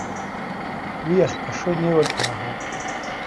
Уи иахҟьашо инеиуагь ҳара ҳоуп.